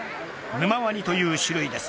ヌマワニという種類です。